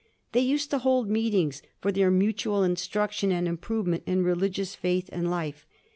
They used to hold meetings for their mutual instruction and improvement in religious faith and life.